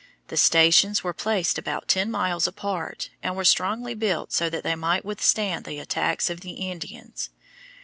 The stations were placed about ten miles apart and were strongly built so that they might withstand the attacks of the Indians.